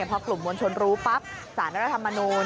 พอกลุ่มมวลชนรู้ปั๊บสารรัฐธรรมนูล